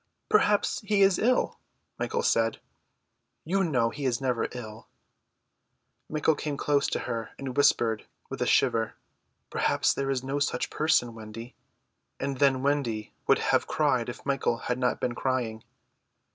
"Perhaps he is ill," Michael said. "You know he is never ill." Michael came close to her and whispered, with a shiver, "Perhaps there is no such person, Wendy!" and then Wendy would have cried if Michael had not been crying.